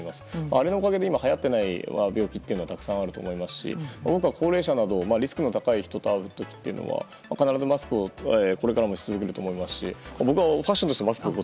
あれのおかげで今、流行っていない病気はたくさんあると思いますし僕は高齢者などリスクの高い人と会う時は必ずマスクをこれからもし続けると思いますし。